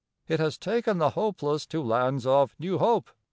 It has taken the hopeless to lands of new hope.